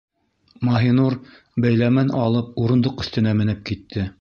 Маһинур, бәйләмен алып, урындыҡ өҫтөнә менеп китте: